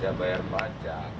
bisa bayar pajak